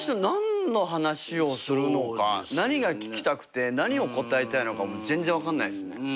何の話をするのか何が聞きたくて何を答えたいのか全然分かんないですね。